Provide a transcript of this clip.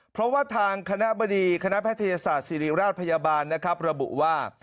เพราะว่าทางคณะบดีคณะแพทยศาสตร์ศิริราชพยาบาลนะครับระบุว่า